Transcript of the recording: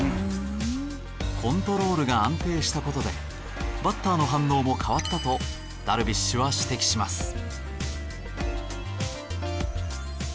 コントロールが安定した事でバッターの反応も変わったとダルビッシュは指摘します。